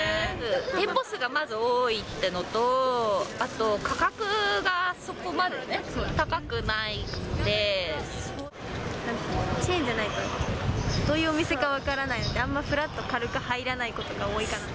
店舗数がまず多いってのと、あと価格がそこまでね、高くないチェーンじゃないと、どういうお店か分からないので、あんまふらっと軽く入らないことが多いかな。